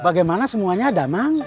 bagaimana semuanya ada mang